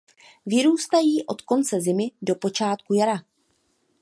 Vyrůstají od konce zimy do počátku jara.